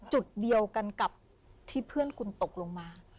จุดเดียวกันกับที่เพื่อนคุณตกลงมา